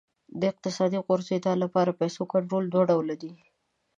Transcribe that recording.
د اقتصادي غوړېدا لپاره پیسو کنټرول دوه ډوله دی.